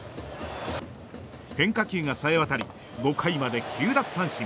変化球がさえ渡り５回まで９奪三振。